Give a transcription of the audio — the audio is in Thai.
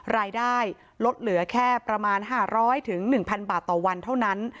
รายได้ลดเหลือแค่ประมาณ๕๐๐๑๐๐บาทต่อวันเท่านั้น